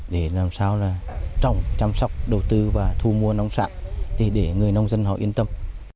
để làm sao là trọng chăm sóc đầu tư và thu mua nông sản để người nông dân họ yên tâm